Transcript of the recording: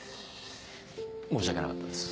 申し訳なかったです。